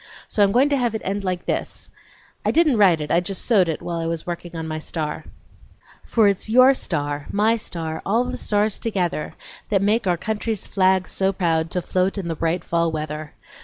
So I'm going to have it end like this: I didn't write it, I just sewed it while I was working on my star: For it's your star, my star, all the stars together, That make our country's flag so proud To float in the bright fall weather.